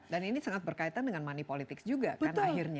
dan ini sangat berkaitan dengan money politics juga kan akhirnya